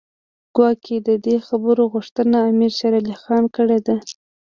ګواکې د دې خبرو غوښتنه امیر شېر علي خان کړې ده.